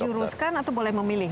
dijuruskan atau boleh memilih